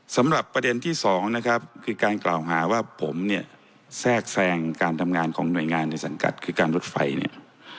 สำหรับประเด็นที่สองนะครับคือการกล่าวหาว่าผมเนี่ยแทรกแทรงการทำงานของหน่วยงานในสังกัดคือการรถไฟเนี่ย